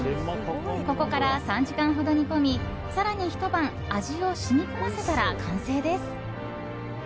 ここから３時間ほど煮込み更にひと晩味を染み込ませたら完成です。